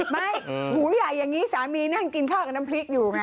ไม่หมูใหญ่อย่างนี้สามีนั่งกินข้าวกับน้ำพริกอยู่ไง